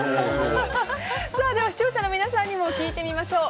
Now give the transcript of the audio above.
視聴者の皆さんにも聞いてみましょう。